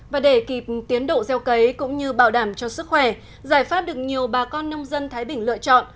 và để kịp tiến độ gieo cấy cũng như bảo đảm cho sức khỏe giải pháp được nhiều bà con nông dân thái bình lựa chọn